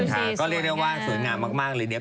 ค่ะก็เรียกเรียกว่าสวยงามมากเลย